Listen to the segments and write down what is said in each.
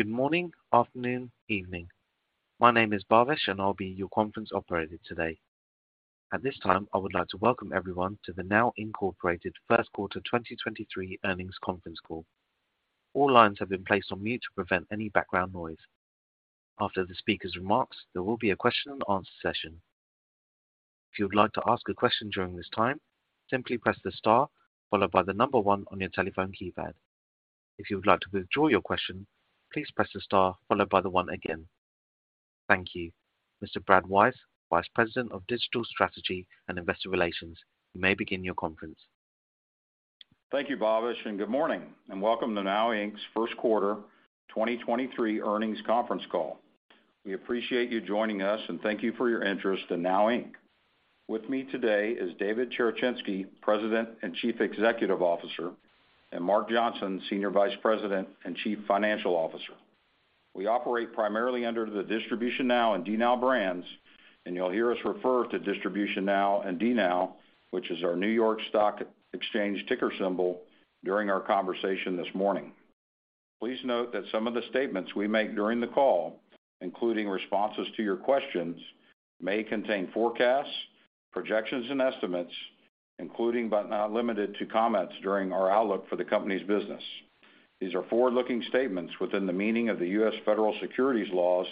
Good morning, afternoon, evening. My name is Bhavesh, and I'll be your conference operator today. At this time, I would like to welcome everyone to the NOW Inc. First Quarter 2023 Earnings Conference call. All lines have been placed on mute to prevent any background noise. After the speaker's remarks, there will be a question-and-answer session. If you would like to ask a question during this time, simply press the star followed by the one on your telephone keypad. If you would like to withdraw your question, please press the star followed by the one again. Thank you. Mr. Brad Wise, Vice President of Digital Strategy and Investor Relations, you may begin your conference. Thank you, Bhavesh, and good morning. Welcome to NOW Inc.'s First Quarter 2023 Earnings Conference call. We appreciate you joining us, and thank you for your interest in NOW Inc. With me today is David Cherechinsky, President and Chief Executive Officer, and Mark Johnson, Senior Vice President and Chief Financial Officer. We operate primarily under the DistributionNOW and DNOW brands, and you'll hear us refer to DistributionNOW and DNOW, which is our New York Stock Exchange ticker symbol, during our conversation this morning. Please note that some of the statements we make during the call, including responses to your questions, may contain forecasts, projections, and estimates, including but not limited to comments during our outlook for the company's business. These are forward-looking statements within the meaning of the U.S. federal securities laws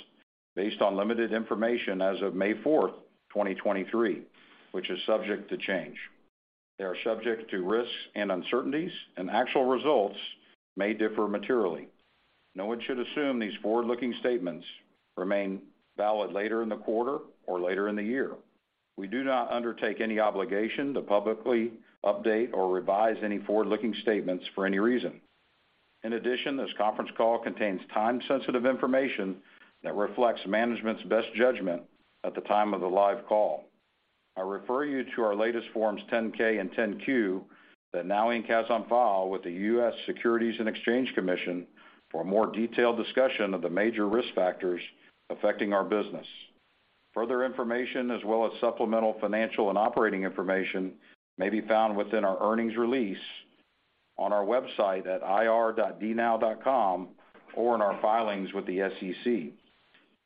based on limited information as of May 4th, 2023, which is subject to change. They are subject to risks and uncertainties, and actual results may differ materially. No one should assume these forward-looking statements remain valid later in the quarter or later in the year. We do not undertake any obligation to publicly update or revise any forward-looking statements for any reason. In addition, this conference call contains time-sensitive information that reflects management's best judgment at the time of the live call. I refer you to our latest Form 10-K and Form 10-Q that NOW Inc. has on file with the U.S. Securities and Exchange Commission for a more detailed discussion of the major risk factors affecting our business. Further information as well as supplemental financial and operating information may be found within our earnings release on our website at ir.dnow.com or in our filings with the SEC.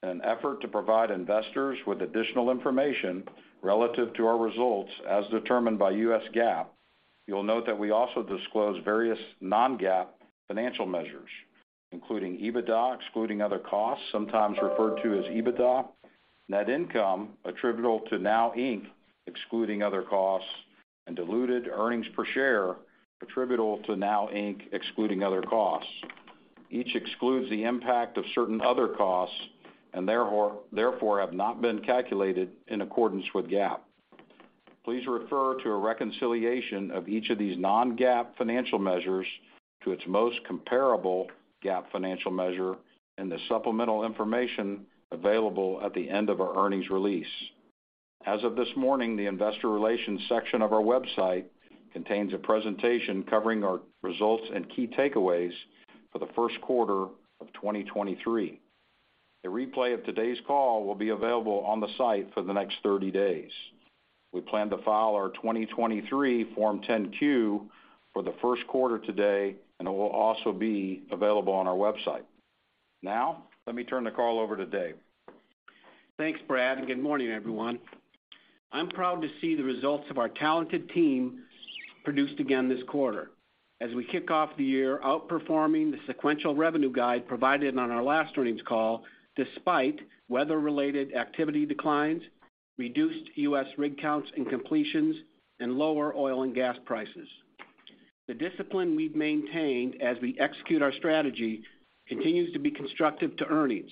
In an effort to provide investors with additional information relative to our results as determined by U.S. GAAP, you'll note that we also disclose various non-GAAP financial measures, including EBITDA excluding other costs, sometimes referred to as EBITDA, net income attributable to NOW Inc. excluding other costs, and diluted earnings per share attributable to NOW Inc. excluding other costs. Each excludes the impact of certain other costs and therefore have not been calculated in accordance with GAAP. Please refer to a reconciliation of each of these non-GAAP financial measures to its most comparable GAAP financial measure in the supplemental information available at the end of our earnings release. As of this morning, the investor relations section of our website contains a presentation covering our results and key takeaways for the first quarter of 2023. A replay of today's call will be available on the site for the next 30 days. We plan to file our 2023 Form 10-Q for the first quarter today, and it will also be available on our website. Now, let me turn the call over to Dave. Thanks, Brad, good morning, everyone. I'm proud to see the results of our talented team produced again this quarter as we kick off the year outperforming the sequential revenue guide provided on our last earnings call despite weather-related activity declines, reduced U.S. rig counts and completions, and lower oil and gas prices. The discipline we've maintained as we execute our strategy continues to be constructive to earnings,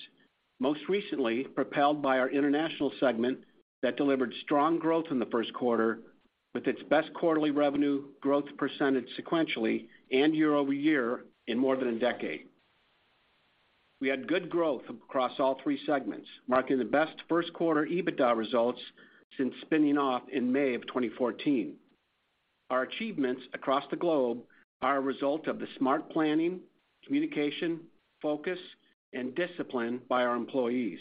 most recently propelled by our international segment that delivered strong growth in the first quarter with its best quarterly revenue growth percentage sequentially and year-over-year in more than a decade. We had good growth across all three segments, marking the best first quarter EBITDA results since spinning off in May of 2014. Our achievements across the globe are a result of the smart planning, communication, focus, and discipline by our employees.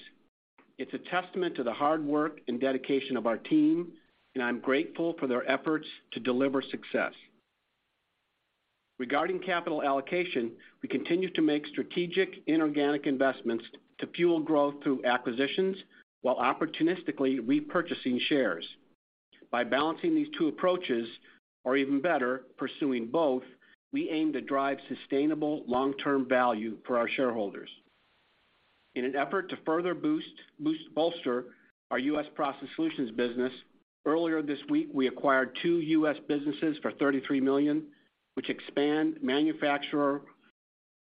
It's a testament to the hard work and dedication of our team, and I'm grateful for their efforts to deliver success. Regarding capital allocation, we continue to make strategic inorganic investments to fuel growth through acquisitions while opportunistically repurchasing shares. By balancing these two approaches, or even better, pursuing both, we aim to drive sustainable long-term value for our shareholders. In an effort to further bolster our U.S. Process Solutions business, earlier this week, we acquired two U.S. businesses for $33 million, which expand manufacturer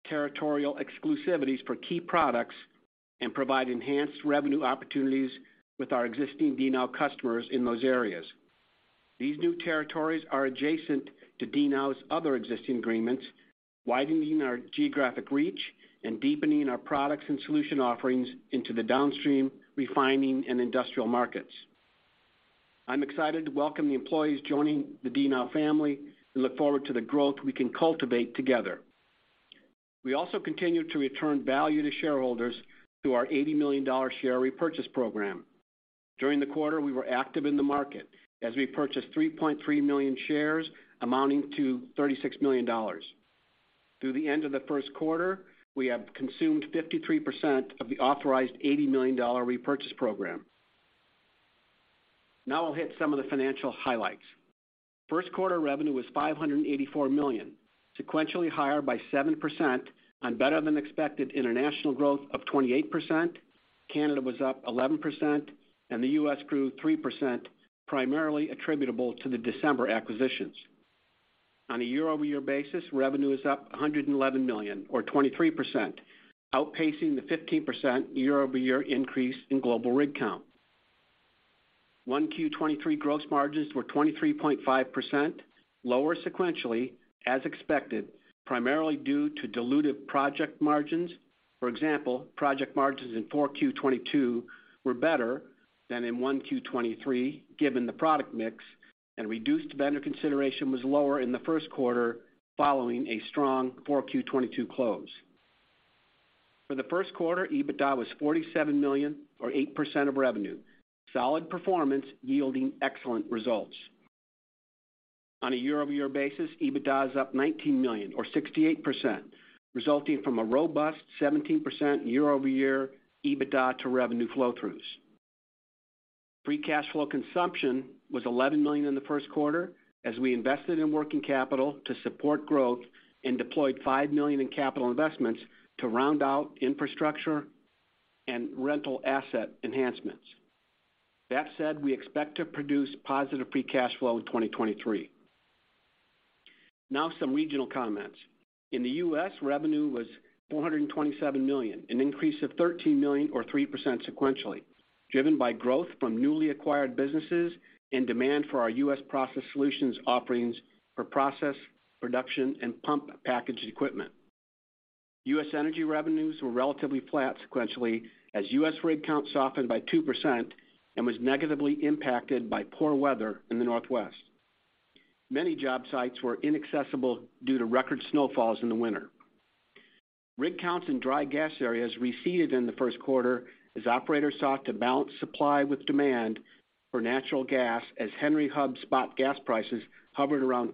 territorial exclusivities for key products and provide enhanced revenue opportunities with our existing DNOW customers in those areas. These new territories are adjacent to DNOW's other existing agreements, widening our geographic reach and deepening our products and solution offerings into the downstream refining and industrial markets. I'm excited to welcome the employees joining the DNOW family and look forward to the growth we can cultivate together. We also continue to return value to shareholders through our $80 million share repurchase program. During the quarter, we were active in the market as we purchased 3.3 million shares amounting to $36 million. Through the end of the first quarter, we have consumed 53% of the authorized $80 million repurchase program. I'll hit some of the financial highlights. First quarter revenue was $584 million, sequentially higher by 7% on better-than-expected international growth of 28%, Canada was up 11%, and the U.S. grew 3%, primarily attributable to the December acquisitions. On a year-over-year basis, revenue is up $111 million or 23%, outpacing the 15% year-over-year increase in global rig count. 1Q 2023 gross margins were 23.5%, lower sequentially as expected, primarily due to dilutive project margins. For example, project margins in 4Q 2022 were better than in 1Q 2023 given the product mix and reduced vendor consideration was lower in the first quarter following a strong 4Q 2022 close. For the first quarter, EBITDA was $47 million or 8% of revenue, solid performance yielding excellent results. On a year-over-year basis, EBITDA is up $19 million or 68%, resulting from a robust 17% year-over-year EBITDA to revenue flow throughs. Free cash flow consumption was $11 million in the first quarter as we invested in working capital to support growth and deployed $5 million in capital investments to round out infrastructure and rental asset enhancements. That said, we expect to produce positive free cash flow in 2023. Some regional comments. In the U.S., revenue was $427 million, an increase of $13 million or 3% sequentially, driven by growth from newly acquired businesses and demand for our U.S. Process Solutions offerings for process, production, and pump packaged equipment. U.S. energy revenues were relatively flat sequentially as U.S. rig count softened by 2% and was negatively impacted by poor weather in the Northwest. Many job sites were inaccessible due to record snowfalls in the winter. Rig counts in dry gas areas receded in the first quarter as operators sought to balance supply with demand for natural gas as Henry Hub spot gas prices hovered around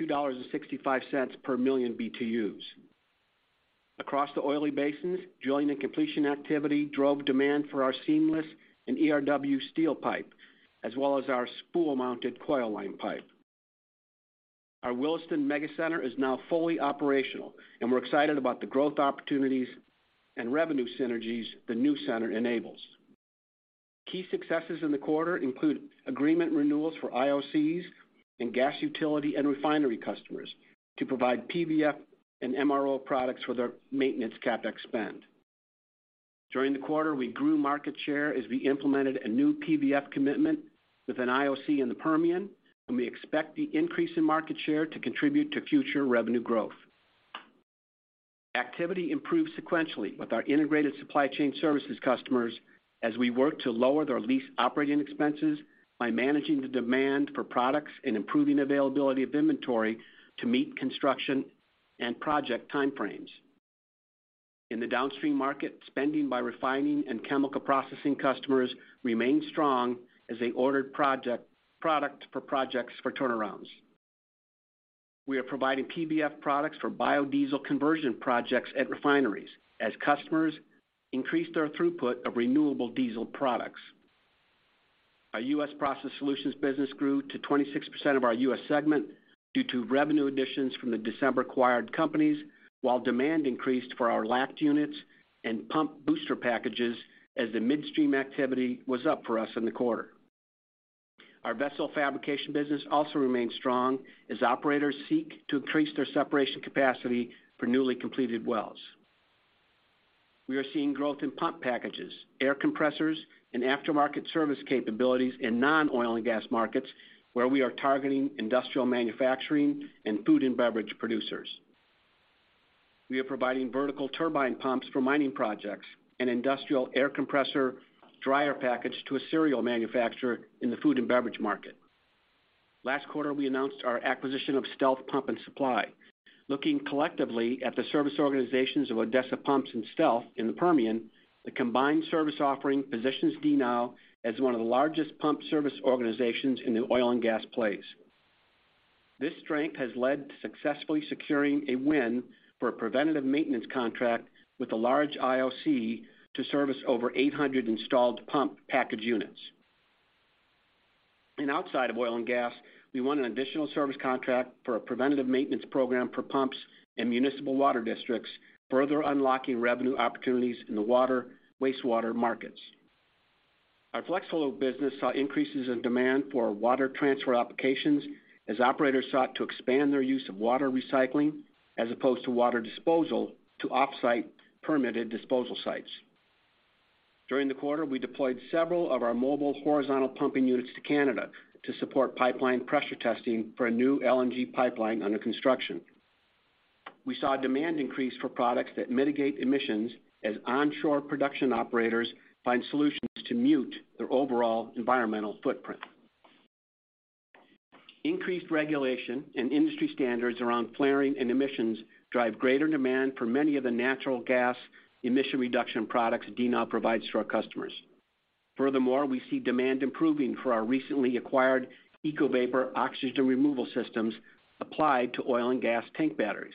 $2.65 per million BTUs. Across the oily basins, drilling and completion activity drove demand for our seamless and ERW steel pipe, as well as our spool mounted coil line pipe. Our Williston Megacenter is now fully operational. We're excited about the growth opportunities and revenue synergies the new center enables. Key successes in the quarter include agreement renewals for IOCs and gas utility and refinery customers to provide PVF and MRO products for their maintenance CapEx spend. During the quarter, we grew market share as we implemented a new PVF commitment with an IOC in the Permian. We expect the increase in market share to contribute to future revenue growth. Activity improved sequentially with our Integrated Supply Chain Services customers as we work to lower their lease operating expenses by managing the demand for products and improving availability of inventory to meet construction and project time frames. In the downstream market, spending by refining and chemical processing customers remained strong as they ordered products for projects for turnarounds. We are providing PVF products for biodiesel conversion projects at refineries as customers increase their throughput of renewable diesel products. Our U.S. Process Solutions business grew to 26% of our U.S. segment due to revenue additions from the December acquired companies, while demand increased for our LACT units and pump booster packages as the midstream activity was up for us in the quarter. Our vessel fabrication business also remains strong as operators seek to increase their separation capacity for newly completed wells. We are seeing growth in pump packages, air compressors, and aftermarket service capabilities in non-oil and gas markets, where we are targeting industrial manufacturing and food and beverage producers. We are providing vertical turbine pumps for mining projects and industrial air compressor dryer package to a cereal manufacturer in the food and beverage market. Last quarter, we announced our acquisition of Stealth Pump and Supply. Looking collectively at the service organizations of Odessa Pumps and Stealth in the Permian, the combined service offering positions DNOW as one of the largest pump service organizations in the oil and gas place. This strength has led to successfully securing a win for a preventative maintenance contract with a large IOC to service over 800 installed pump package units. Outside of oil and gas, we won an additional service contract for a preventative maintenance program for pumps and municipal water districts, further unlocking revenue opportunities in the water, wastewater markets. Our FlexFlow business saw increases in demand for water transfer applications as operators sought to expand their use of water recycling as opposed to water disposal to offsite permitted disposal sites. During the quarter, we deployed several of our mobile horizontal pumping units to Canada to support pipeline pressure testing for a new LNG pipeline under construction. We saw a demand increase for products that mitigate emissions as onshore production operators find solutions to mute their overall environmental footprint. Increased regulation and industry standards around flaring and emissions drive greater demand for many of the natural gas emission reduction products DNOW provides to our customers. Furthermore, we see demand improving for our recently acquired EcoVapor oxygen removal systems applied to oil and gas tank batteries.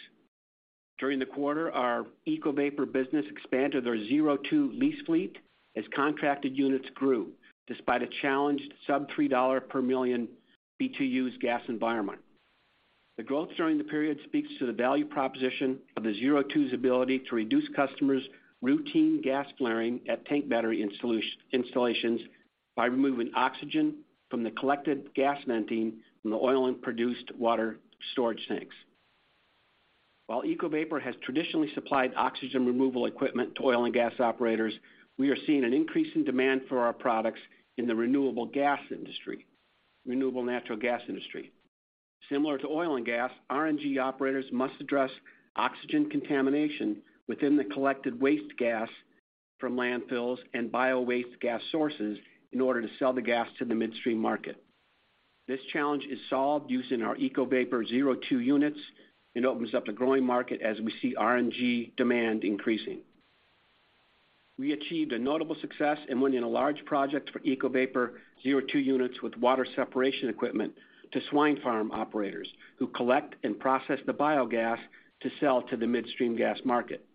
During the quarter, our EcoVapor business expanded their ZerO2 lease fleet as contracted units grew despite a challenged sub $3 per MMBtu gas environment. The growth during the period speaks to the value proposition of the ZerO2's ability to reduce customers' routine gas flaring at tank battery installations by removing oxygen from the collected gas venting from the oil and produced water storage tanks. While EcoVapor has traditionally supplied oxygen removal equipment to oil and gas operators, we are seeing an increase in demand for our products in the renewable natural gas industry. Similar to oil and gas, RNG operators must address oxygen contamination within the collected waste gas from landfills and biowaste gas sources in order to sell the gas to the midstream market. This challenge is solved using our EcoVapor ZerO2 units and opens up the growing market as we see RNG demand increasing. We achieved a notable success and winning a large project for EcoVapor ZerO2 units with water separation equipment to swine farm operators who collect and process the biogas to sell to the midstream gas market.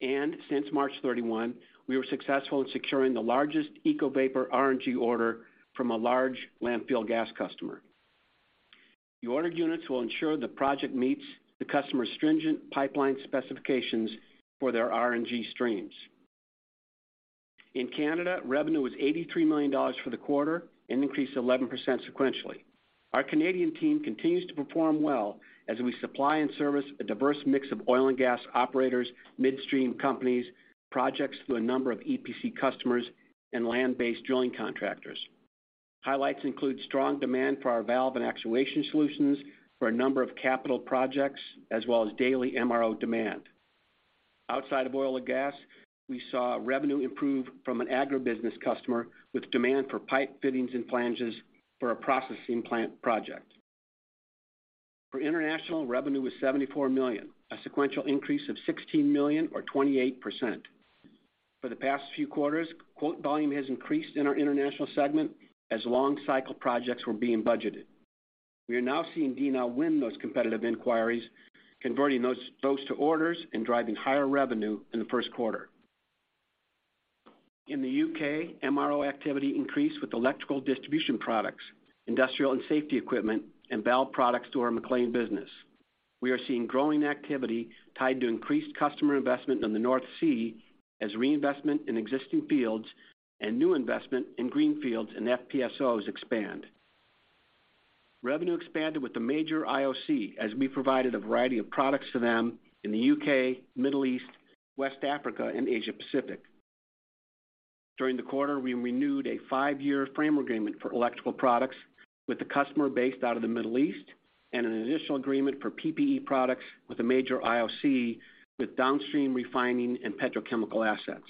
Since March 31, we were successful in securing the largest EcoVapor RNG order from a large landfill gas customer. The ordered units will ensure the project meets the customer's stringent pipeline specifications for their RNG streams. In Canada, revenue was $83 million for the quarter and increased 11% sequentially. Our Canadian team continues to perform well as we supply and service a diverse mix of oil and gas operators, midstream companies, projects through a number of EPC customers, and land-based drilling contractors. Highlights include strong demand for our valve and actuation solutions for a number of capital projects, as well as daily MRO demand. Outside of oil or gas, we saw revenue improve from an agribusiness customer with demand for pipe fittings and flanges for a processing plant project. For international, revenue was $74 million, a sequential increase of $16 million or 28%. For the past few quarters, quote volume has increased in our international segment as long cycle projects were being budgeted. We are now seeing DNOW win those competitive inquiries, converting those to orders and driving higher revenue in the first quarter. In the U.K., MRO activity increased with electrical distribution products, industrial and safety equipment, and valve products to our MacLean business. We are seeing growing activity tied to increased customer investment in the North Sea as reinvestment in existing fields and new investment in greenfields and FPSOs expand. Revenue expanded with the major IOC as we provided a variety of products to them in the U.K., Middle East, West Africa, and Asia Pacific. During the quarter, we renewed a five-year frame agreement for electrical products with a customer based out of the Middle East, and an additional agreement for PPE products with a major IOC, with downstream refining and petrochemical assets.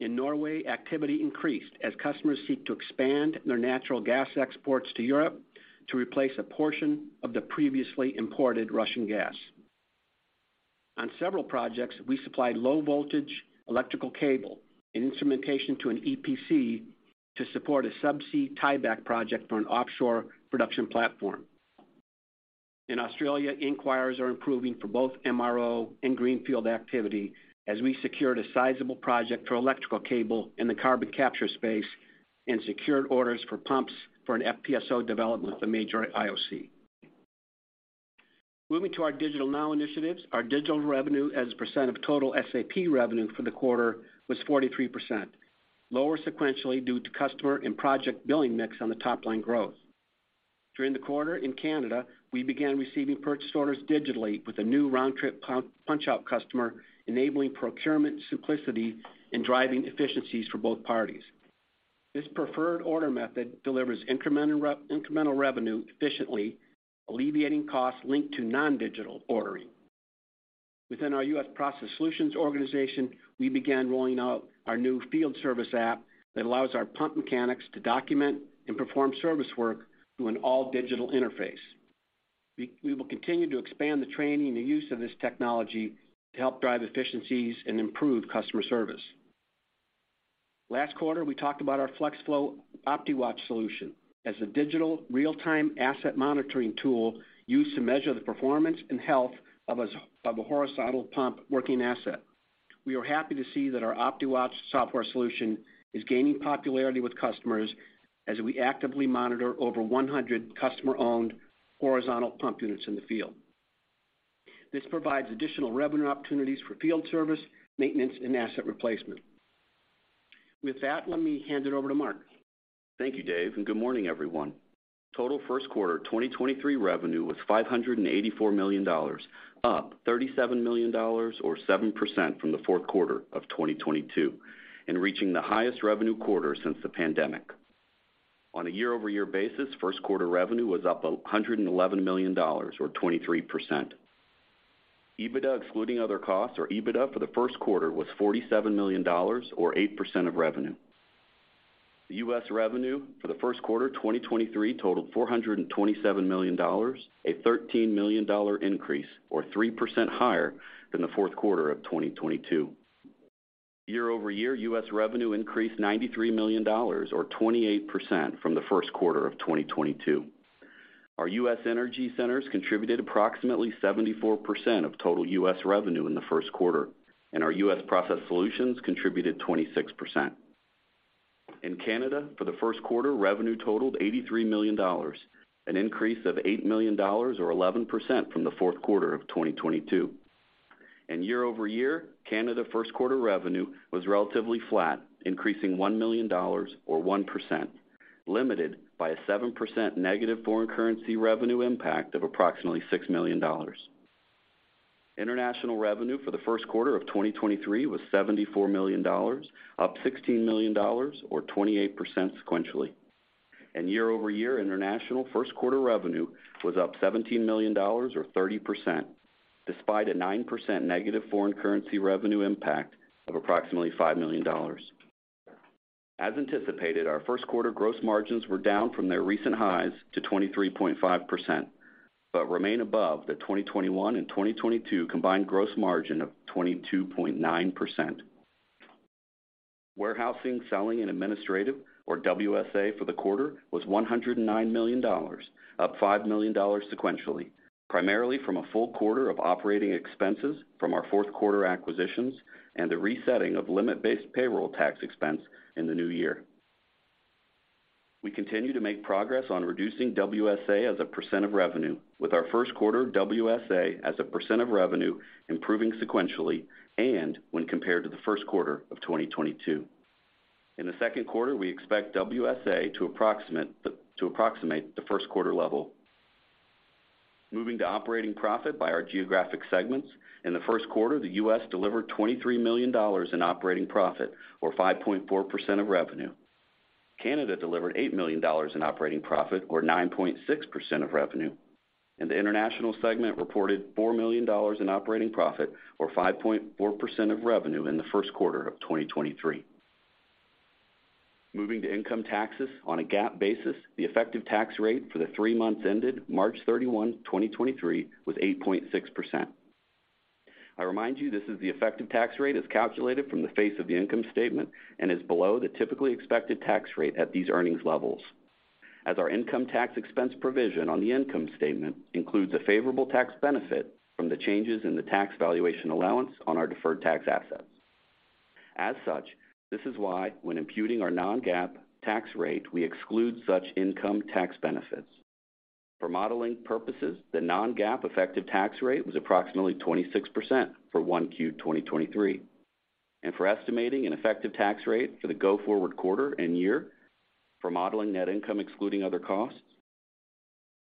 In Norway, activity increased as customers seek to expand their natural gas exports to Europe to replace a portion of the previously imported Russian gas. On several projects, we supplied low voltage electrical cable and instrumentation to an EPC to support a subsea tieback project for an offshore production platform. In Australia, inquiries are improving for both MRO and Greenfield activity as we secured a sizable project for electrical cable in the carbon capture space and secured orders for pumps for an FPSO development with a major IOC. Moving to our DigitalNOW initiatives, our digital revenue as a percent of total SAP revenue for the quarter was 43%, lower sequentially due to customer and project billing mix on the top line growth. During the quarter in Canada, we began receiving purchase orders digitally with a new round trip PunchOut customer, enabling procurement simplicity and driving efficiencies for both parties. This preferred order method delivers incremental revenue efficiently, alleviating costs linked to non-digital ordering. Within our U.S. Process Solutions organization, we began rolling out our new field service app that allows our pump mechanics to document and perform service work through an all digital interface. We will continue to expand the training and the use of this technology to help drive efficiencies and improve customer service. Last quarter, we talked about our FlexFlow OptiWatch solution as a digital real-time asset monitoring tool used to measure the performance and health of a horizontal pump working asset. We are happy to see that our OptiWatch software solution is gaining popularity with customers as we actively monitor over 100 customer owned horizontal pump units in the field. This provides additional revenue opportunities for field service, maintenance, and asset replacement. With that, let me hand it over to Mark. Thank you, Dave. Good morning, everyone. Total first quarter 2023 revenue was $584 million, up $37 million or 7% from the fourth quarter of 2022 and reaching the highest revenue quarter since the pandemic. On a year-over-year basis, first quarter revenue was up $111 million or 23%. EBITDA excluding other costs or EBITDA for the first quarter was $47 million or 8% of revenue. The U.S. revenue for the first quarter 2023 totaled $427 million, a $13 million increase or 3% higher than the fourth quarter of 2022. Year-over-year, U.S. revenue increased $93 million or 28% from the first quarter of 2022. Our U.S. energy centers contributed approximately 74% of total U.S. revenue in the first quarter. Our U.S. Process Solutions contributed 26%. In Canada, for the first quarter, revenue totaled $83 million, an increase of $8 million or 11% from the fourth quarter of 2022. Year-over-year, Canada first quarter revenue was relatively flat, increasing $1 million or 1%, limited by a 7% negative foreign currency revenue impact of approximately $6 million. International revenue for the first quarter of 2023 was $74 million, up $16 million or 28% sequentially. Year-over-year, international first quarter revenue was up $17 million or 30%, despite a 9% negative foreign currency revenue impact of approximately $5 million. As anticipated, our first quarter gross margins were down from their recent highs to 23.5%, but remain above the 2021 and 2022 combined gross margin of 22.9%. Warehousing, selling and administrative, or WSA, for the quarter was $109 million, up $5 million sequentially, primarily from a full quarter of operating expenses from our fourth quarter acquisitions and the resetting of limit-based payroll tax expense in the new year. We continue to make progress on reducing WSA as a percent of revenue, with our first quarter WSA as a percent of revenue improving sequentially and when compared to the first quarter of 2022. In the second quarter, we expect WSA to approximate the first quarter level. Moving to operating profit by our geographic segments. In the first quarter, the U.S. delivered $23 million in operating profit or 5.4% of revenue. Canada delivered $8 million in operating profit or 9.6% of revenue. The international segment reported $4 million in operating profit or 5.4% of revenue in the first quarter of 2023. Moving to income taxes on a GAAP basis, the effective tax rate for the three months ended March 31, 2023, was 8.6%. I remind you, this is the effective tax rate as calculated from the face of the income statement and is below the typically expected tax rate at these earnings levels. Our income tax expense provision on the income statement includes a favorable tax benefit from the changes in the tax valuation allowance on our deferred tax assets. As such, this is why when imputing our non-GAAP tax rate, we exclude such income tax benefits. For modeling purposes, the non-GAAP effective tax rate was approximately 26% for 1Q 2023. For estimating an effective tax rate for the go-forward quarter and year for modeling net income excluding other costs,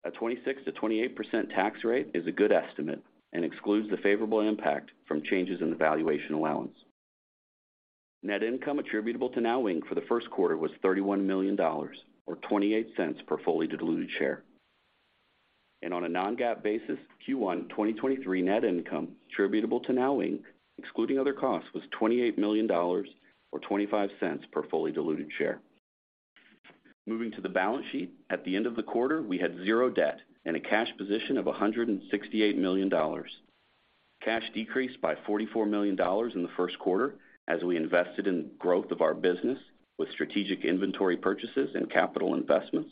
a 26%-28% tax rate is a good estimate and excludes the favorable impact from changes in the valuation allowance. Net income attributable to NOW Inc. for the first quarter was $31 million or $0.28 per fully diluted share. On a non-GAAP basis, Q1 2023 net income attributable to NOW Inc. excluding other costs, was $28 million or $0.25 per fully diluted share. Moving to the balance sheet, at the end of the quarter, we had zero debt and a cash position of $168 million. Cash decreased by $44 million in the first quarter as we invested in growth of our business with strategic inventory purchases and capital investments,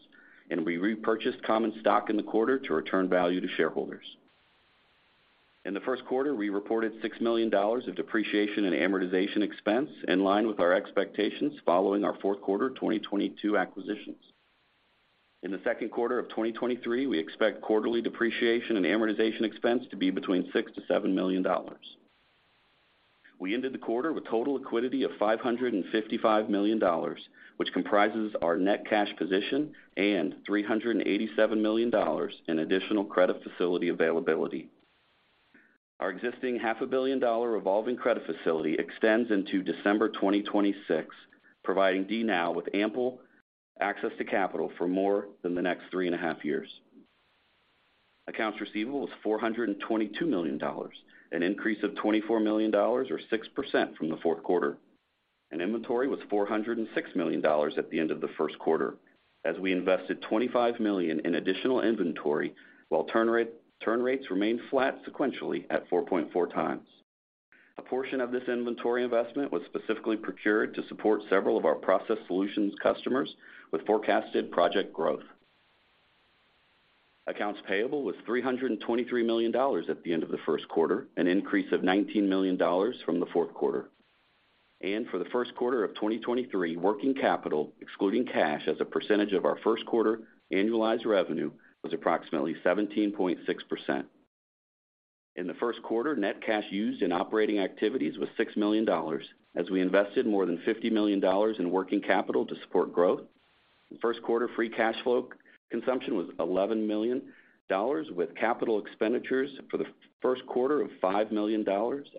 and we repurchased common stock in the quarter to return value to shareholders. In the first quarter, we reported $6 million of depreciation and amortization expense in line with our expectations following our fourth quarter 2022 acquisitions. In the second quarter of 2023, we expect quarterly depreciation and amortization expense to be between $6 million-$7 million. We ended the quarter with total liquidity of $555 million, which comprises our net cash position and $387 million in additional credit facility availability. Our existing half a billion dollars revolving credit facility extends into December 2026, providing DNOW with ample access to capital for more than the next three and a half years. Accounts receivable was $422 million, an increase of $24 million or 6% from the fourth quarter. Inventory was $406 million at the end of the first quarter as we invested $25 million in additional inventory while turn rates remained flat sequentially at 4.4x. A portion of this inventory investment was specifically procured to support several of our Process Solutions customers with forecasted project growth. Accounts payable was $323 million at the end of the first quarter, an increase of $19 million from the fourth quarter. For the first quarter of 2023, working capital, excluding cash as a percentage of our first quarter annualized revenue, was approximately 17.6%. In the first quarter, net cash used in operating activities was $6 million, as we invested more than $50 million in working capital to support growth. First quarter free cash flow consumption was $11 million, with capital expenditures for the first quarter of $5 million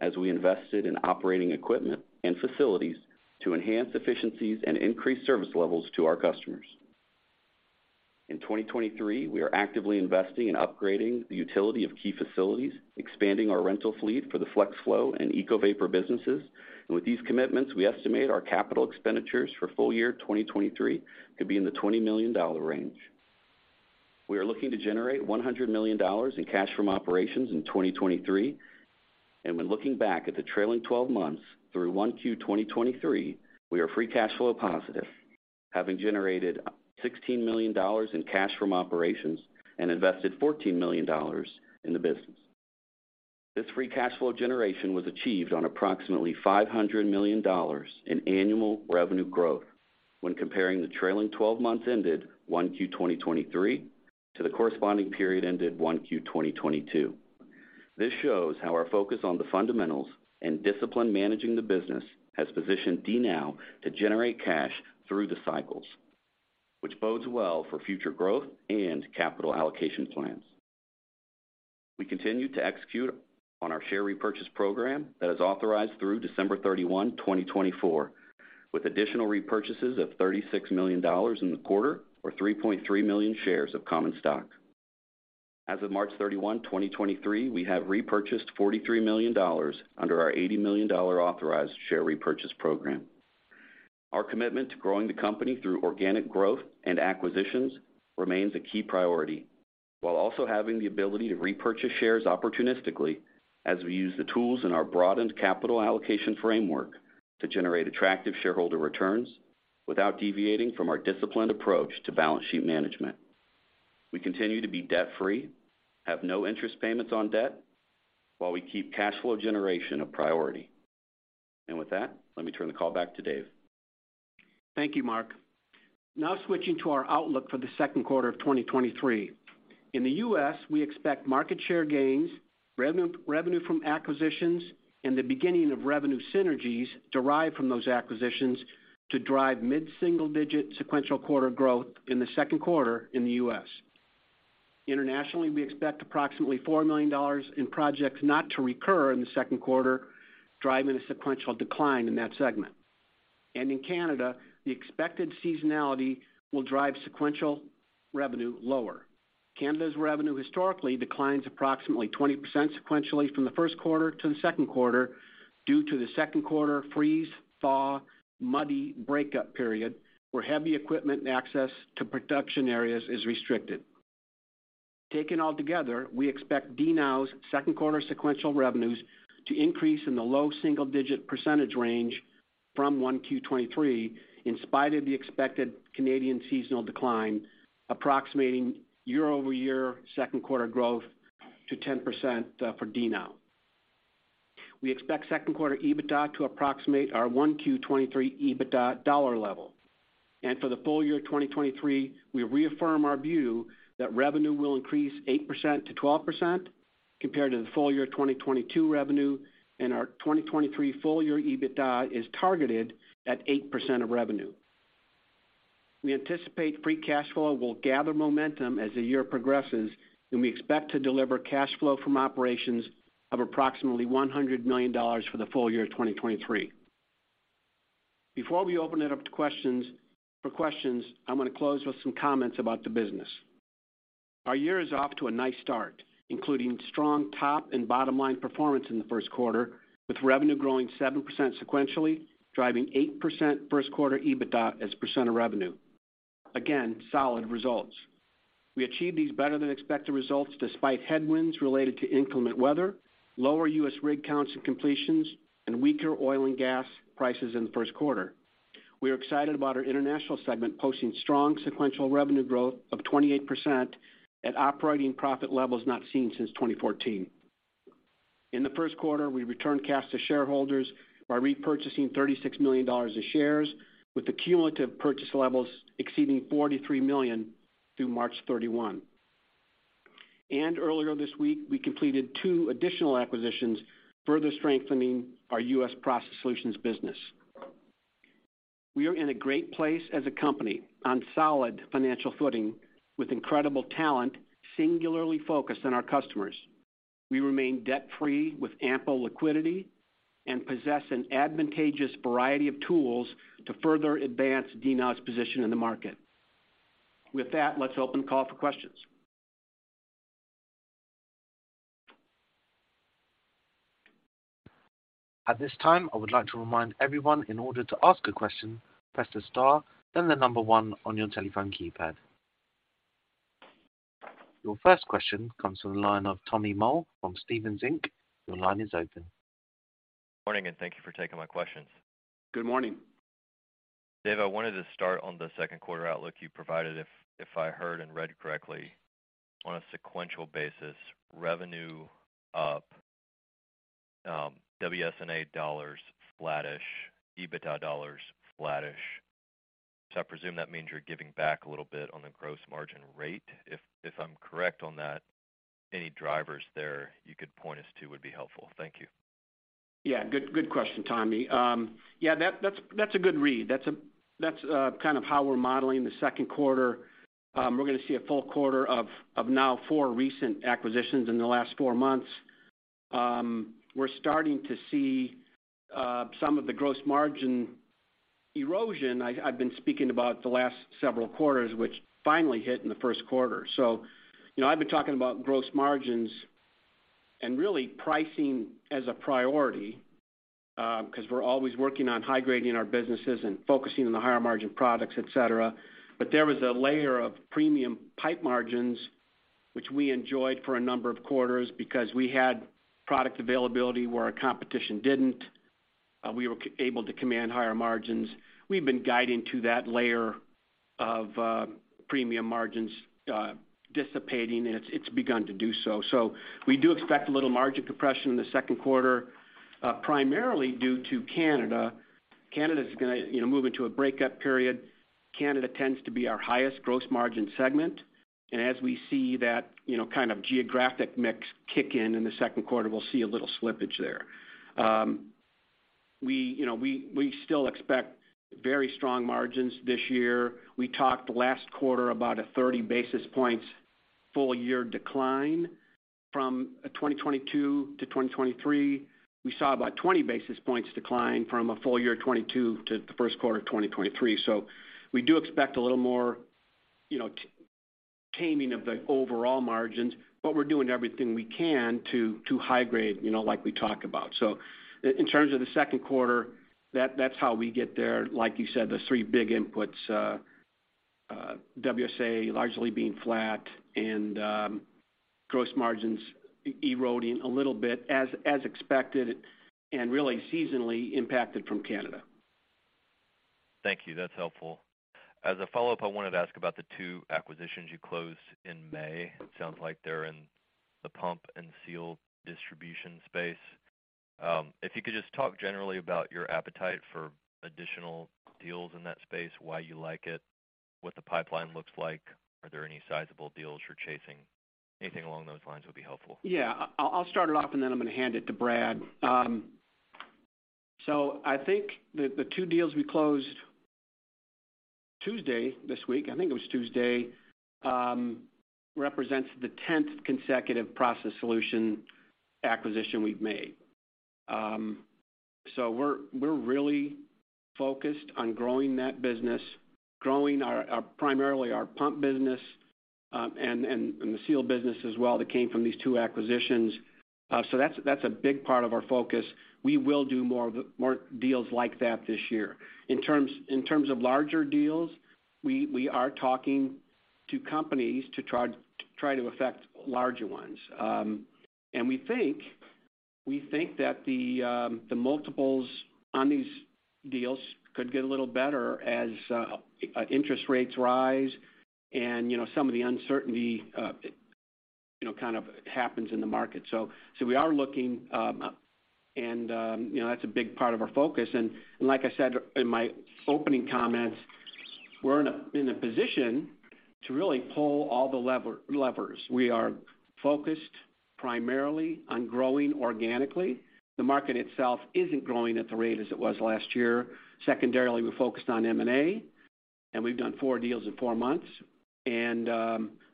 as we invested in operating equipment and facilities to enhance efficiencies and increase service levels to our customers. In 2023, we are actively investing in upgrading the utility of key facilities, expanding our rental fleet for the FlexFlow and EcoVapor businesses. With these commitments, we estimate our capital expenditures for full year 2023 to be in the $20 million range. We are looking to generate $100 million in cash from operations in 2023. When looking back at the trailing twelve months through 1Q 2023, we are free cash flow positive, having generated $16 million in cash from operations and invested $14 million in the business. This free cash flow generation was achieved on approximately $500 million in annual revenue growth when comparing the trailing twelve months ended 1Q 2023 to the corresponding period ended 1Q 2022. This shows how our focus on the fundamentals and discipline managing the business has positioned DNOW to generate cash through the cycles, which bodes well for future growth and capital allocation plans. We continue to execute on our share repurchase program that is authorized through December 31, 2024, with additional repurchases of $36 million in the quarter or 3.3 million shares of common stock. As of March 31, 2023, we have repurchased $43 million under our $80 million authorized share repurchase program. Our commitment to growing the company through organic growth and acquisitions remains a key priority, while also having the ability to repurchase shares opportunistically as we use the tools in our broadened capital allocation framework to generate attractive shareholder returns without deviating from our disciplined approach to balance sheet management. We continue to be debt-free, have no interest payments on debt while we keep cash flow generation a priority. With that, let me turn the call back to Dave. Thank you, Mark. Switching to our outlook for the second quarter of 2023. In the U.S., we expect market share gains, revenue from acquisitions, and the beginning of revenue synergies derived from those acquisitions to drive mid-single digit sequential quarter growth in the second quarter in the U.S. Internationally, we expect approximately $4 million in projects not to recur in the second quarter, driving a sequential decline in that segment. In Canada, the expected seasonality will drive sequential revenue lower. Canada's revenue historically declines approximately 20% sequentially from the first quarter to the second quarter due to the second quarter freeze, thaw, muddy breakup period, where heavy equipment access to production areas is restricted. Taken altogether, we expect DNOW's second quarter sequential revenues to increase in the low single digit percentage range from 1Q 2023, in spite of the expected Canadian seasonal decline, approximating year-over-year second quarter growth to 10% for DNOW. We expect second quarter EBITDA to approximate our 1Q 2023 EBITDA dollar level. For the full year of 2023, we reaffirm our view that revenue will increase 8%-12% compared to the full year of 2022 revenue, and our 2023 full year EBITDA is targeted at 8% of revenue. We anticipate free cash flow will gather momentum as the year progresses, and we expect to deliver cash flow from operations of approximately $100 million for the full year of 2023. Before we open it up for questions, I'm gonna close with some comments about the business. Our year is off to a nice start, including strong top and bottom line performance in the first quarter, with revenue growing 7% sequentially, driving 8% first quarter EBITDA as percent of revenue. Again, solid results. We achieved these better than expected results despite headwinds related to inclement weather, lower U.S. rig counts and completions, and weaker oil and gas prices in the first quarter. We are excited about our international segment posting strong sequential revenue growth of 28% at operating profit levels not seen since 2014. In the first quarter, we returned cash to shareholders by repurchasing $36 million of shares, with the cumulative purchase levels exceeding $43 million through March 31. Earlier this week, we completed two additional acquisitions, further strengthening our U.S. Process Solutions business. We are in a great place as a company on solid financial footing with incredible talent singularly focused on our customers. We remain debt-free with ample liquidity and possess an advantageous variety of tools to further advance DNOW's position in the market. With that, let's open the call for questions. At this time, I would like to remind everyone, in order to ask a question, press the star, then the number one on your telephone keypad. Your first question comes from the line of Tommy Moll from Stephens Inc. Your line is open. Morning, and thank you for taking my questions. Good morning. Dave, I wanted to start on the second quarter outlook you provided. If I heard and read correctly, on a sequential basis, revenue up, WSA dollars flattish, EBITDA dollars flattish. I presume that means you're giving back a little bit on the gross margin rate. If I'm correct on that, any drivers there you could point us to would be helpful. Thank you. Yeah. Good question, Tommy. Yeah, that's, that's a good read. That's, that's, kind of how we're modeling the second quarter. We're gonna see a full quarter of now four recent acquisitions in the last four months. We're starting to see some of the gross margin erosion I've been speaking about the last several quarters, which finally hit in the first quarter. You know, I've been talking about gross margins and really pricing as a priority, 'cause we're always working on high grading our businesses and focusing on the higher margin products, et cetera. There was a layer of premium pipe margins which we enjoyed for a number of quarters because we had product availability where our competition didn't. We were able to command higher margins. We've been guiding to that layer of premium margins dissipating, and it's begun to do so. We do expect a little margin compression in the second quarter, primarily due to Canada. Canada's gonna, you know, move into a breakup period. Canada tends to be our highest gross margin segment. As we see that, you know, kind of geographic mix kick in the second quarter, we'll see a little slippage there. We, you know, we still expect very strong margins this year. We talked last quarter about a 30 basis points full year decline from 2022 to 2023. We saw about 20 basis points decline from a full year of 2022 to the first quarter of 2023. We do expect a little more, you know, taming of the overall margins, but we're doing everything we can to high grade, you know, like we talked about. In terms of the second quarter, that's how we get there. Like you said, the three big inputs, WSA largely being flat and gross margins eroding a little bit as expected and really seasonally impacted from Canada. Thank you. That's helpful. As a follow-up, I wanted to ask about the two acquisitions you closed in May. It sounds like they're in the pump and seal distribution space. If you could just talk generally about your appetite for additional deals in that space, why you like it, what the pipeline looks like. Are there any sizable deals you're chasing? Anything along those lines would be helpful. Yeah. I'll start it off. I'm gonna hand it to Brad. I think the two deals we closed Tuesday this week, I think it was Tuesday, represents the tenth consecutive Process Solutions acquisition we've made. We're really focused on growing that business, growing primarily our pump business, and the seal business as well that came from these two acquisitions. That's a big part of our focus. We will do more deals like that this year. In terms of larger deals, we are talking to companies to try to affect larger ones. We think that the multiples on these deals could get a little better as interest rates rise and, you know, some of the uncertainty, you know, kind of happens in the market. We are looking, and, you know, that's a big part of our focus. Like I said in my opening comments, we're in a position to really pull all the levers. We are focused primarily on growing organically. The market itself isn't growing at the rate as it was last year. Secondarily, we're focused on M&A, and we've done four deals in four months.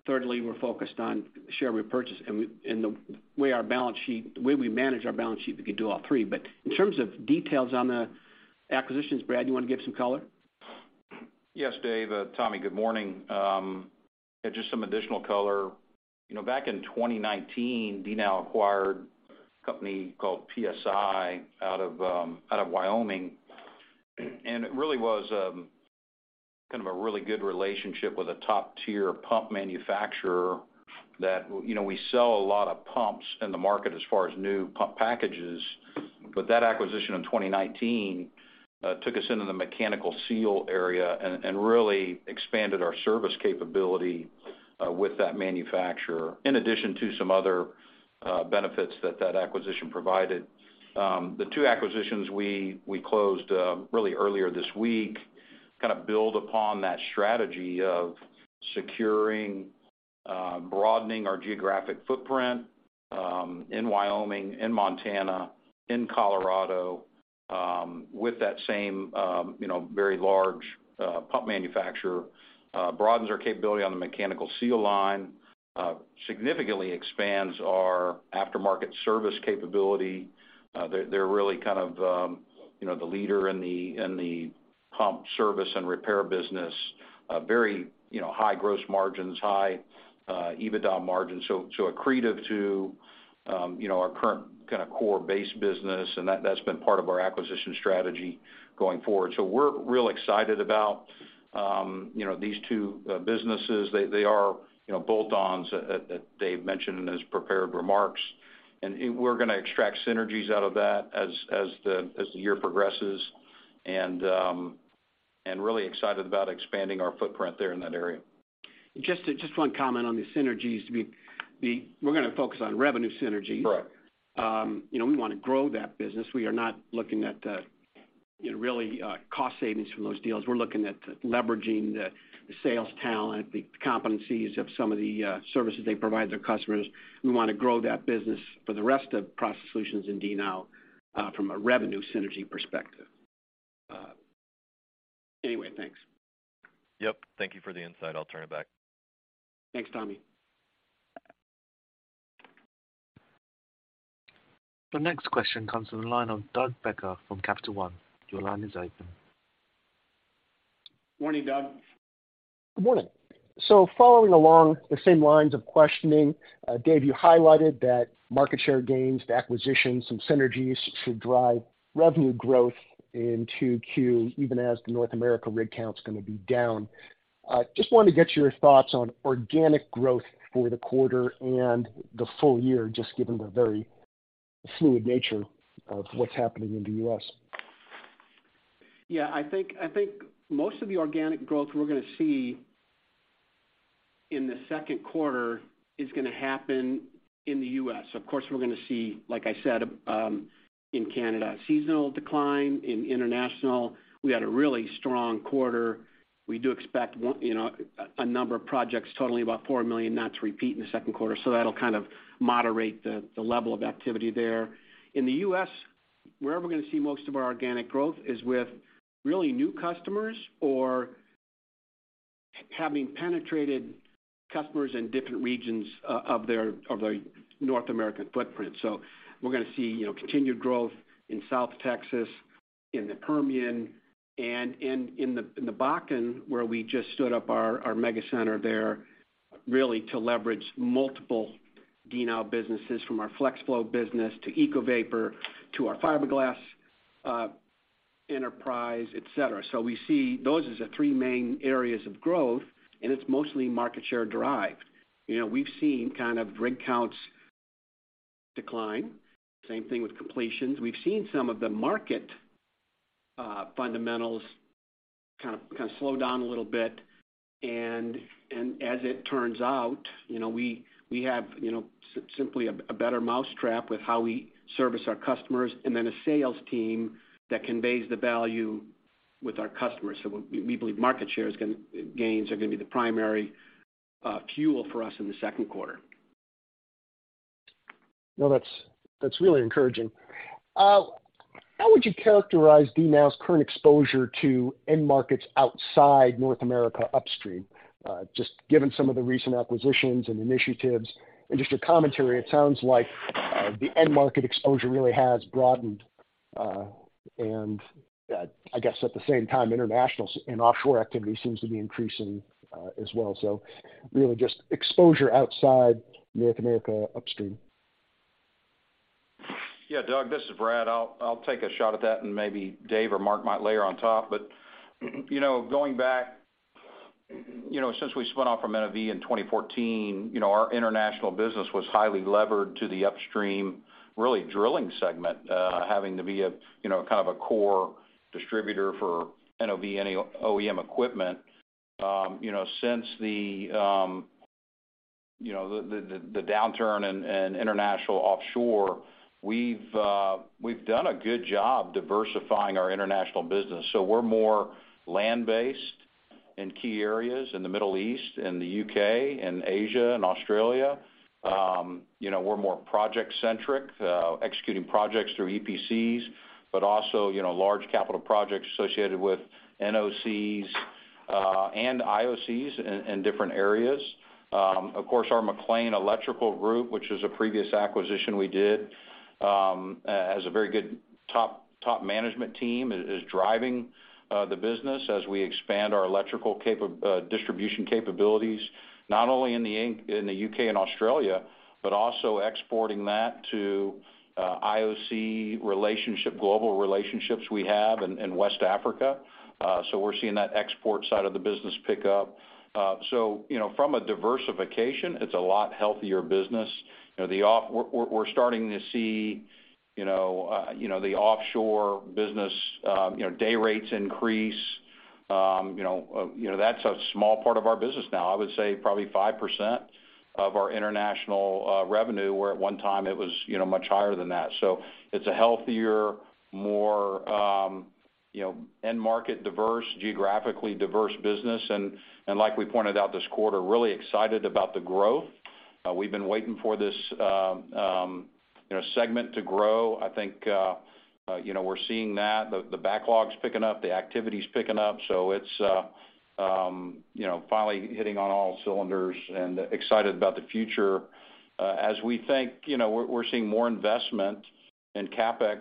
Thirdly, we're focused on share repurchase and the way our balance sheet, the way we manage our balance sheet, we could do all three. In terms of details on the acquisitions, Brad, you wanna give some color? Yes, Dave. Tommy, good morning. Yeah, just some additional color. You know, back in 2019, DNOW acquired a company called PSI out of Wyoming. It really was kind of a really good relationship with a top-tier pump manufacturer that, you know, we sell a lot of pumps in the market as far as new pump packages. That acquisition in 2019 took us into the mechanical seal area and really expanded our service capability with that manufacturer, in addition to some other benefits that that acquisition provided. The two acquisitions we closed really earlier this week, kinda build upon that strategy of securing, broadening our geographic footprint in Wyoming, Montana, Colorado, with that same, you know, very large pump manufacturer, broadens our capability on the mechanical seal line, significantly expands our aftermarket service capability. They're really kind of, you know, the leader in the pump service and repair business. Very, you know, high gross margins, high EBITDA margins. Accretive to, you know, our current kinda core base business, and that's been part of our acquisition strategy going forward. We're real excited about, you know, these two businesses. They are, you know, bolt-ons that Dave mentioned in his prepared remarks. We're gonna extract synergies out of that as the year progresses, and really excited about expanding our footprint there in that area. Just one comment on the synergies. We're gonna focus on revenue synergies. Correct. You know, we wanna grow that business. We are not looking at, you know, really, cost savings from those deals. We're looking at leveraging the sales talent, the competencies of some of the services they provide their customers. We wanna grow that business for the rest of Process Solutions and DNOW, from a revenue synergy perspective. Anyway, thanks. Yep. Thank you for the insight. I'll turn it back. Thanks, Tommy. The next question comes from the line of Doug Becker from Capital One. Your line is open. Morning, Doug. Good morning. Following along the same lines of questioning, Dave, you highlighted that market share gains, the acquisitions, some synergies should drive revenue growth in 2Q, even as the North America rig count is gonna be down. Just wanted to get your thoughts on organic growth for the quarter and the full year, just given the very fluid nature of what's happening in the U.S. I think, I think most of the organic growth we're gonna see in the second quarter is gonna happen in the U.S. Of course, we're gonna see, like I said, in Canada, a seasonal decline. In international, we had a really strong quarter. We do expect, you know, a number of projects totaling about $4 million not to repeat in the second quarter. That'll kind of moderate the level of activity there. In the U.S., where we're gonna see most of our organic growth is with really new customers or having penetrated customers in different regions of their, of the North American footprint. We're gonna see, you know, continued growth in South Texas, in the Permian, and in the Bakken, where we just stood up our Megacenter there, really to leverage multiple DNOW businesses from our FlexFlow business, to EcoVapor, to our fiberglass enterprise, et cetera. We see those as the three main areas of growth, and it's mostly market share derived. You know, we've seen kind of rig counts decline. Same thing with completions. We've seen some of the market fundamentals kind of slow down a little bit. As it turns out, you know, we have, you know, simply a better mousetrap with how we service our customers, and then a sales team that conveys the value with our customers. We believe market share gains are gonna be the primary fuel for us in the second quarter. No, that's really encouraging. How would you characterize DNOW's current exposure to end markets outside North America upstream, just given some of the recent acquisitions and initiatives? Just your commentary, it sounds like the end market exposure really has broadened, and I guess at the same time, international and offshore activity seems to be increasing, as well. Really just exposure outside North America upstream. Yeah, Doug, this is Brad. I'll take a shot at that and maybe Dave or Mark might layer on top. You know, going back, you know, since we spun off from NOV in 2014, you know, our international business was highly levered to the upstream, really drilling segment, having to be a, you know, kind of a core distributor for NOV and OEM equipment. You know, since the, you know, the downturn in international offshore, we've done a good job diversifying our international business. We're more land-based in key areas in the Middle East and the U.K. and Asia and Australia. You know, we're more project-centric, executing projects through EPCs, but also, you know, large capital projects associated with NOCs and IOCs in different areas. Of course, our MacLean Electrical group, which is a previous acquisition we did, has a very good top management team, is driving the business as we expand our electrical distribution capabilities, not only in the UK and Australia, but also exporting that to IOC relationship, global relationships we have in West Africa. We're seeing that export side of the business pick up. You know, from a diversification, it's a lot healthier business. You know, we're starting to see, you know, the offshore business, you know, day rates increase. You know, that's a small part of our business now. I would say probably 5% of our international revenue, where at one time it was, you know, much higher than that. It's a healthier, more, you know, end market diverse, geographically diverse business. Like we pointed out this quarter, really excited about the growth. We've been waiting for this, you know, segment to grow. I think, you know, we're seeing that. The backlog's picking up. The activity's picking up. It's, you know, finally hitting on all cylinders and excited about the future. As we think, you know, we're seeing more investment in CapEx,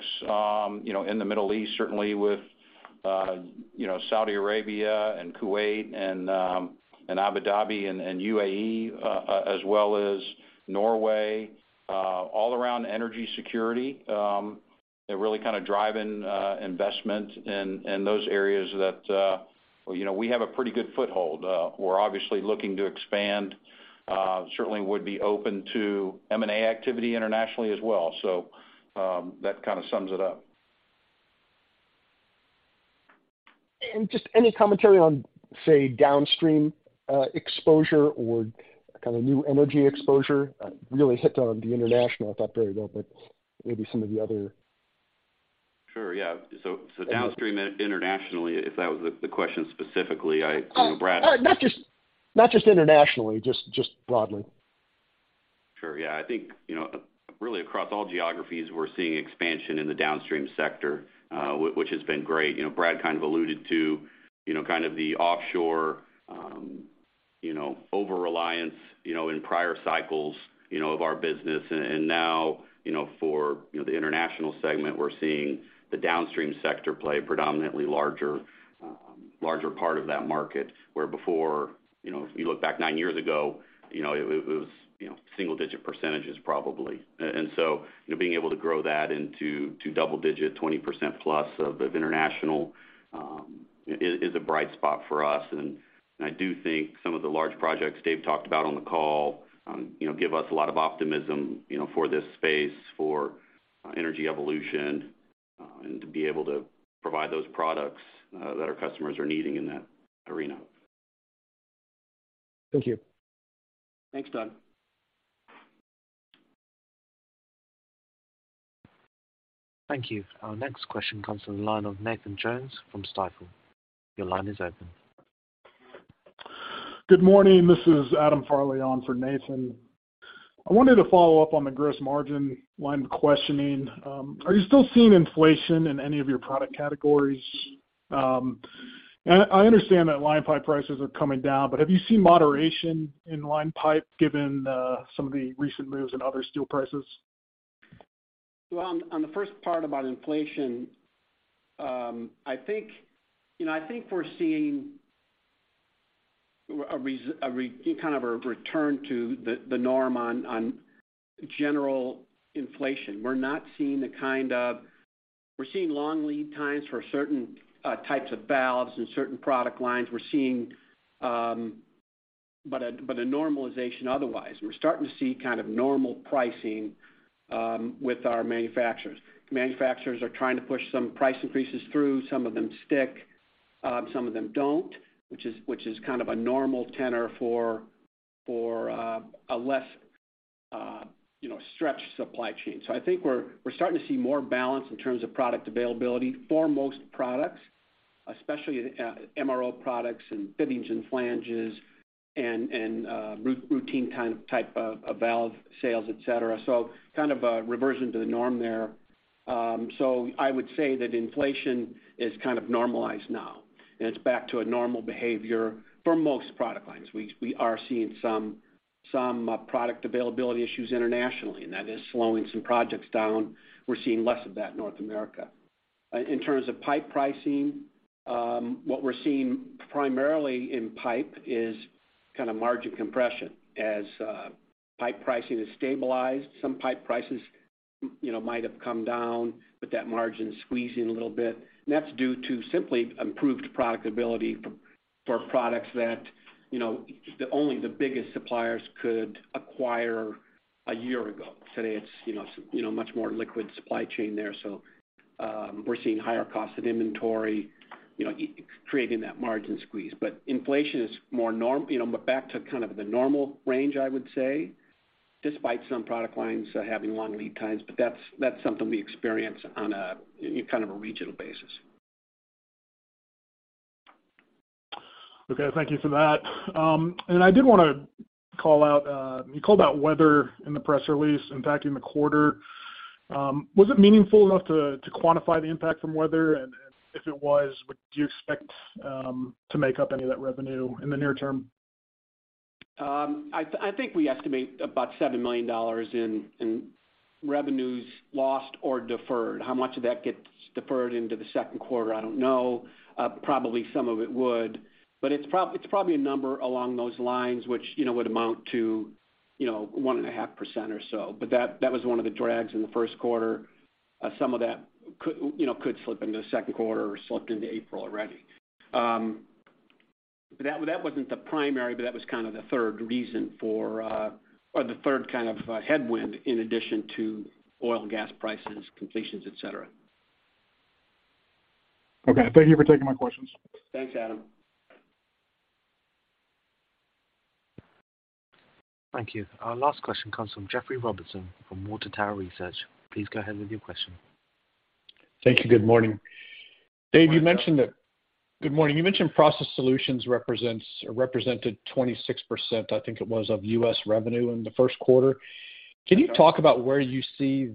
you know, in the Middle East, certainly with, you know, Saudi Arabia and Kuwait and Abu Dhabi and UAE, as well as Norway, all around energy security, they're really kind of driving investment in those areas that, you know, we have a pretty good foothold. We're obviously looking to expand. Certainly would be open to M&A activity internationally as well. That kind of sums it up. Just any commentary on, say, downstream, exposure or kind of new energy exposure, really hit on the international thought there, but maybe some of the other. Sure, yeah. Downstream internationally, if that was the question specifically, I, you know, Brad. Oh, not just internationally, just broadly. Sure. Yeah. I think, you know, really across all geographies, we're seeing expansion in the downstream sector, which has been great. You know, Brad kind of alluded to, you know, kind of the offshore, you know, over-reliance, you know, in prior cycles, you know, of our business. Now, for the international segment, we're seeing the downstream sector play a predominantly larger part of that market. Where before, you know, if you look back nine years ago, you know, it was, you know, single-digit percentages probably. Being able to grow that into double-digit, 20%+ of international, is a bright spot for us. I do think some of the large projects Dave talked about on the call, you know, give us a lot of optimism, you know, for this space, for energy evolution, and to be able to provide those products that our customers are needing in that arena. Thank you. Thanks, Don. Thank you. Our next question comes from the line of Nathan Jones from Stifel. Your line is open. Good morning. This is Adam Farley on for Nathan. I wanted to follow up on the gross margin line of questioning. Are you still seeing inflation in any of your product categories? I understand that line pipe prices are coming down, have you seen moderation in line pipe given some of the recent moves in other steel prices? Well, on the first part about inflation. You know, I think we're seeing kind of a return to the norm on general inflation. We're not seeing the kind of. We're seeing long lead times for certain types of valves and certain product lines. We're seeing a normalization otherwise. We're starting to see kind of normal pricing with our manufacturers. Manufacturers are trying to push some price increases through. Some of them stick, some of them don't, which is kind of a normal tenor for a less, you know, stretched supply chain. I think we're starting to see more balance in terms of product availability for most products, especially MRO products and fittings and flanges and routine kind of type of valve sales, et cetera. Kind of a reversion to the norm there. I would say that inflation is kind of normalized now, and it's back to a normal behavior for most product lines. We are seeing some product availability issues internationally, and that is slowing some projects down. We're seeing less of that in North America. In terms of pipe pricing, what we're seeing primarily in pipe is kind of margin compression as pipe pricing has stabilized. Some pipe prices, you know, might have come down, but that margin is squeezing a little bit. That's due to simply improved product ability for products that, you know, the only the biggest suppliers could acquire a year ago. Today, it's, you know, much more liquid supply chain there. We're seeing higher costs at inventory, you know, creating that margin squeeze. Inflation is more normal, you know, back to kind of the normal range, I would say, despite some product lines having long lead times. That's something we experience on a, kind of a regional basis. Okay. Thank you for that. I did want to call out. You called out weather in the press release impacting the quarter. Was it meaningful enough to quantify the impact from weather? If it was, would you expect to make up any of that revenue in the near term? I think we estimate about $7 million in revenues lost or deferred. How much of that gets deferred into the second quarter, I don't know. Probably some of it would. It's probably a number along those lines which, you know, would amount to, you know, 1.5% or so. That, that was one of the drags in the first quarter. Some of that could, you know, could slip into the second quarter or slipped into April already. That, that wasn't the primary, but that was kind of the third reason for, or the third kind of headwind in addition to oil and gas prices, completions, et cetera. Okay. Thank you for taking my questions. Thanks, Adam. Thank you. Our last question comes from Jeffrey Robertson from Water Tower Research. Please go ahead with your question. Thank you. Good morning. Good morning. Good morning. You mentioned Process Solutions represents or represented 26%, I think it was, of U.S. revenue in the first quarter. That's right. Can you talk about where you see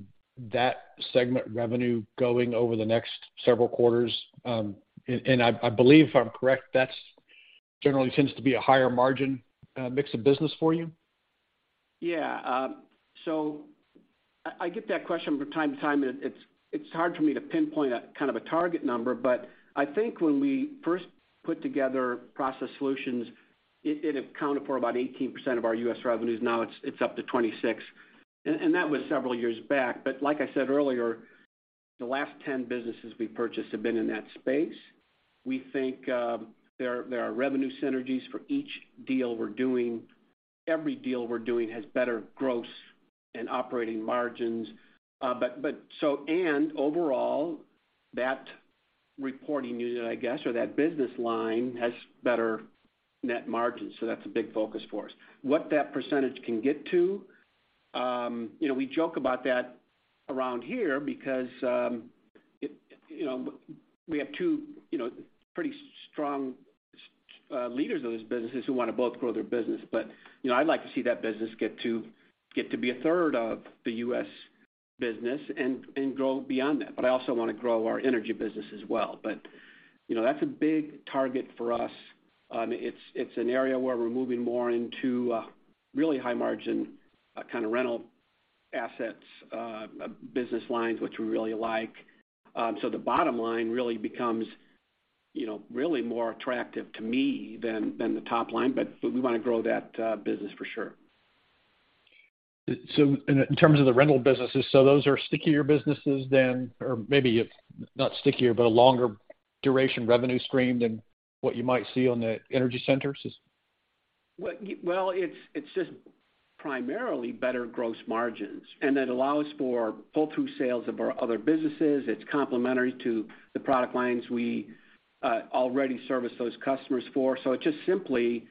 that segment revenue going over the next several quarters? I believe if I'm correct, that's generally tends to be a higher margin mix of business for you. Yeah. I get that question from time to time, and it's hard for me to pinpoint a kind of a target number. I think when we first put together Process Solutions, it accounted for about 18% of our U.S. revenues. Now it's up to 26%. That was several years back. Like I said earlier, the last 10 businesses we purchased have been in that space. We think there are revenue synergies for each deal we're doing. Every deal we're doing has better gross and operating margins. Overall, that reporting unit, I guess, or that business line has better net margins. That's a big focus for us. What that percentage can get to, you know, we joke about that around here because, you know, we have two, you know, pretty strong leaders of those businesses who wanna both grow their business. You know, I'd like to see that business get to, get to be 1/3 of the U.S. business and grow beyond that. I also wanna grow our energy business as well. You know, that's a big target for us. It's, it's an area where we're moving more into, really high margin, kind of rental assets, business lines, which we really like. The bottom line really becomes, you know, really more attractive to me than the top line, but we wanna grow that business for sure. In terms of the rental businesses, so those are stickier businesses than or maybe not stickier, but a longer duration revenue stream than what you might see on the energy centers? It's just primarily better gross margins, and it allows for pull-through sales of our other businesses. It's complementary to the product lines we already service those customers for. It just simply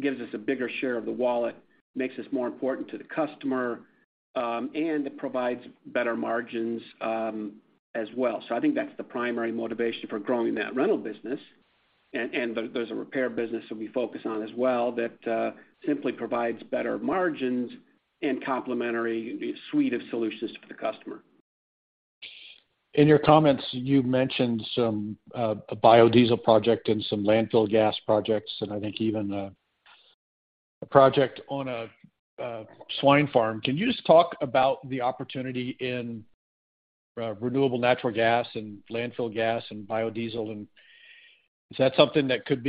gives us a bigger share of the wallet, makes us more important to the customer, and it provides better margins as well. I think that's the primary motivation for growing that rental business. There's a repair business that we focus on as well that simply provides better margins and complementary suite of solutions for the customer. In your comments, you mentioned some a biodiesel project and some landfill gas projects, and I think even a project on a swine farm. Can you just talk about the opportunity in renewable natural gas and landfill gas and biodiesel? Is that something that could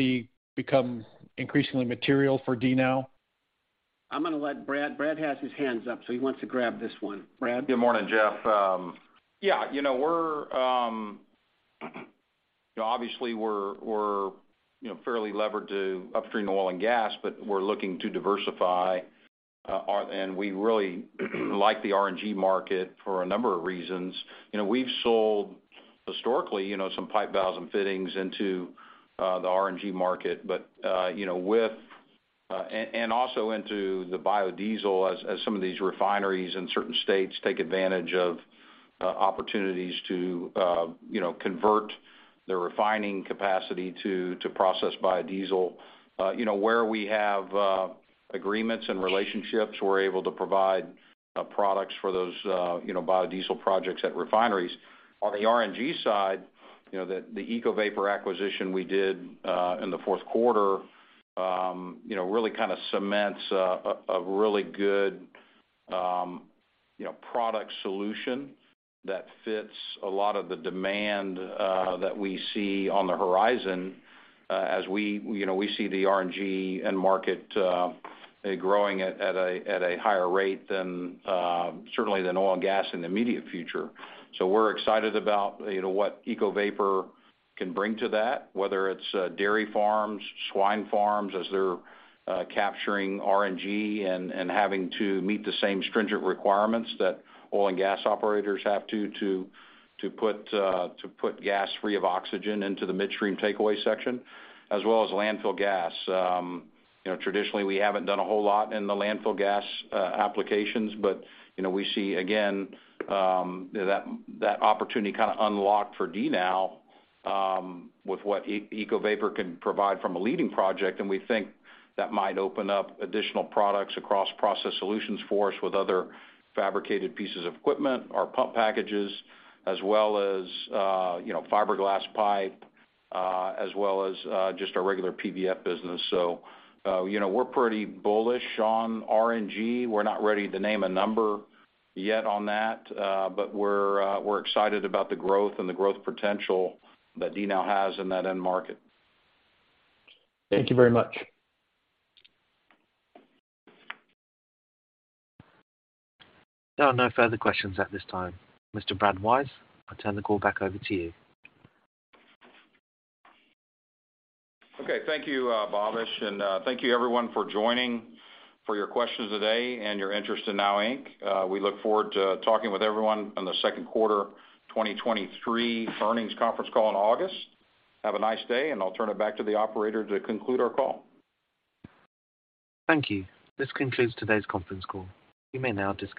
become increasingly material for DNOW? I'm gonna let Brad. Brad has his hands up, so he wants to grab this one. Brad? Good morning, Jeff. You know, we're obviously, we're, you know, fairly levered to upstream oil and gas, but we're looking to diversify and we really like the RNG market for a number of reasons. You know, we've sold historically, you know, some pipe valves and fittings into the RNG market, but you know, with and also into the biodiesel as some of these refineries in certain states take advantage of opportunities to, you know, convert their refining capacity to process biodiesel. You know, where we have agreements and relationships, we're able to provide products for those, you know, biodiesel projects at refineries. On the RNG side, you know, the EcoVapor acquisition we did in the fourth quarter, you know, really kinda cements a really good, you know, product solution that fits a lot of the demand that we see on the horizon, as we, you know, we see the RNG end market growing at a higher rate than certainly than oil and gas in the immediate future. We're excited about, you know, what EcoVapor can bring to that, whether it's dairy farms, swine farms, as they're capturing RNG and having to meet the same stringent requirements that oil and gas operators have to put gas free of oxygen into the midstream takeaway section, as well as landfill gas. You know, traditionally, we haven't done a whole lot in the landfill gas applications, but, you know, we see again that opportunity kinda unlocked for DNOW with what EcoVapor can provide from a leading project. We think that might open up additional products across Process Solutions for us with other fabricated pieces of equipment or pump packages, as well as, you know, fiberglass pipe, as well as just our regular PVF business. You know, we're pretty bullish on RNG. We're not ready to name a number yet on that, but we're excited about the growth and the growth potential that DNOW has in that end market. Thank you very much. There are no further questions at this time. Mr. Brad Wise, I turn the call back over to you. Okay. Thank you, Bhavesh, and thank you everyone for joining, for your questions today and your interest in NOW Inc. We look forward to talking with everyone on the second quarter 2023 earnings conference call in August. Have a nice day, and I'll turn it back to the operator to conclude our call. Thank you. This concludes today's conference call. You may now disconnect.